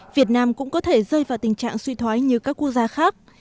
việt nam cũng có thể rơi vào tình trạng suy thoái như các quốc gia khác